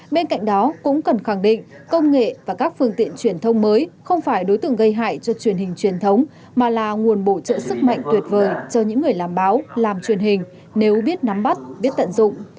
bên cạnh đó cũng cần khẳng định công nghệ và các phương tiện truyền thông mới không phải đối tượng gây hại cho truyền hình truyền thống mà là nguồn bổ trợ sức mạnh tuyệt vời cho những người làm báo làm truyền hình nếu biết nắm bắt biết tận dụng